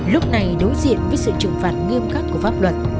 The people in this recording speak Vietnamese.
lúc này đối diện với sự trừng phạt nghiêm khắc của pháp luật